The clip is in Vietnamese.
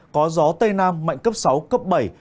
có gió tây nam mạnh cấp sáu cấp bảy